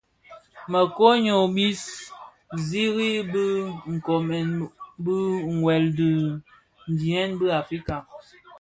Më koň ňyô bi siri bë nkoomèn bë, wuèl wu ndiňyèn bi Africa.